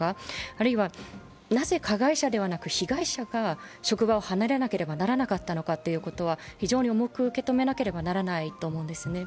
あるいは、なぜ加害者ではなく被害者が職場を離れなければならなかったのかは非常に重く受け止めなければならないと思うんですね。